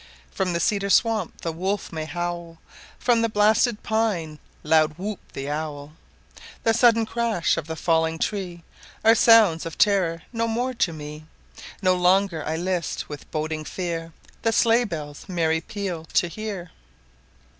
From the cedar swamp the wolf may howl, From the blasted pine loud whoop the owl; The sudden crash of the falling tree Are sounds of terror no more to me; No longer I list with boding fear, The sleigh bells' merry peal to hear*.